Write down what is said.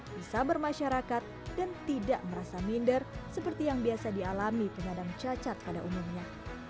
bisa bermasyarakat dan tidak merasa minder seperti yang biasa dialami penyandang cacat pada umumnya